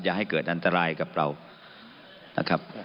ให้เกิดอันตรายกับเรานะครับ